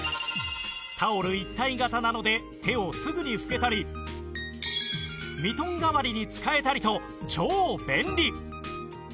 タオル一体型なので手をすぐに拭けたりミトン代わりに使えたりと超便利！